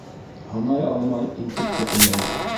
Һанай алмай интекте ҡуян.